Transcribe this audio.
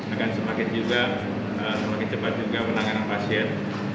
akan semakin cepat juga penanganan pasien